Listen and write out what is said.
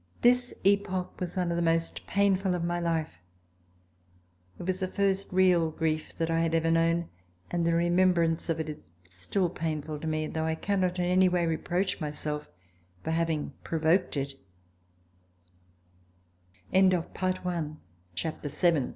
This epoch was one of the most painful of my life. It was the first real grief that I had ever known, and the remembrance is still painful, although I cannot in any way reproach myself for having provoked